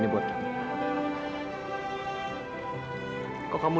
ini buat kamu